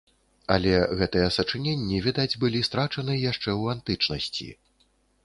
Але гэтыя сачыненні, відаць, былі страчаны яшчэ ў антычнасці.